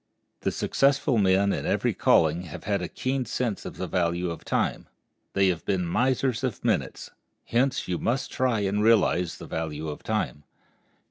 The successful men in every calling have had a keen sense of the value of time—they have been misers of minutes. Hence you must try and realize the value of time.